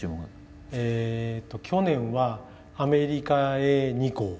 えっと去年はアメリカへ２個。